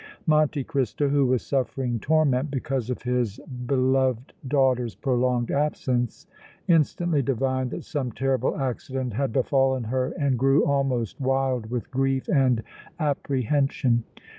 Monte Cristo, who was suffering torment because of his beloved daughter's prolonged absence, instantly divined that some terrible accident had befallen her and grew almost wild with grief and apprehension.